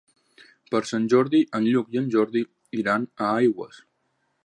Per Sant Jordi en Lluc i en Jordi iran a Aigües.